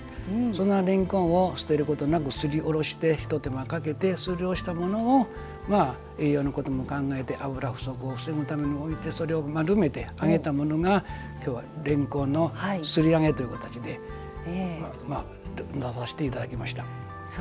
そんなれんこんを捨てることなく、すりおろしてひと手間かけてすりおろしたものを栄養のことも考えて油不足を防ぐためにおいてそれを丸めて揚げたものが今日は「れんこんのすり揚げ」という形で出させていただきました。